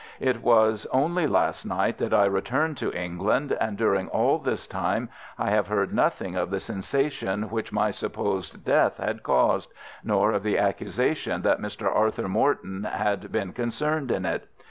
"It was only last night that I returned to England, and during all this time I have heard nothing of the sensation which my supposed death had caused, nor of the accusation that Mr. Arthur Morton had been concerned in it.